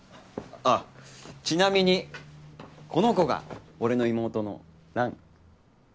ああちなみにこの子が俺の妹の藍。